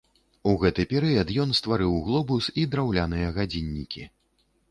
У гэты перыяд ён стварыў глобус і драўляныя гадзіннікі.